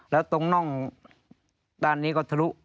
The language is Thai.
แล้วตรงน่องด้านนี้ก็ทะลุ